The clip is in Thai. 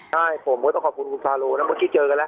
ใช่ผมก็ต้องขอบคุณคุณฟาโลนะเมื่อกี้เจอกันแล้ว